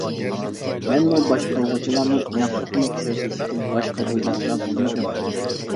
مەنمۇ باشقۇرغۇچىلارنىڭ ئىناقلىقىنى كۆزدە تۇتۇپ، باشقا ئويلاردا بولمىدىم.